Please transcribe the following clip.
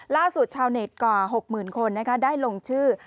ล่าสุดชาวเน็ตกว่าหกหมื่นคนได้ลงชื่อ